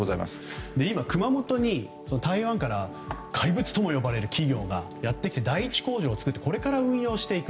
今、熊本に台湾から怪物とも呼ばれる企業がやってきて第１工場を作ってこれから運用をしていく。